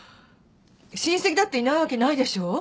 親戚だっていないわけないでしょ。